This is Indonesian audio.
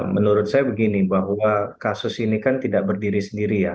menurut saya begini bahwa kasus ini kan tidak berdiri sendiri ya